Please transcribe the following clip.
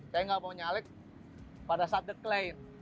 saya gak mau nyalek pada saat the claim